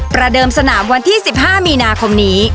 เดิมสนามวันที่๑๕มีนาคมนี้